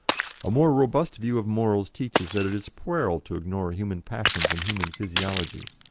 A more robust view of morals teaches that it is puerile to ignore human passions and human physiology.